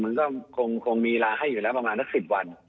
มันก็คงมีลาให้อยู่แล้วพอถึงประมาณ๑๐วัน